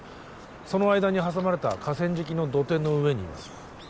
その間に挟まれた河川敷の土手の上にいます